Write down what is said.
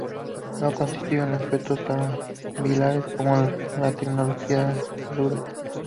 No constituyen objetos tangibles como las tecnologías duras.